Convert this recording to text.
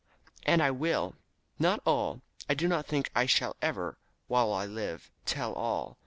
"And I will. Not all. I do not think that I shall ever, while I live, tell all.